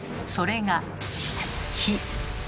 それが火。